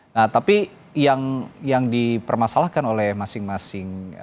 nah tapi yang dipermasalahkan oleh masing masing